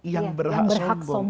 yang berhak sombong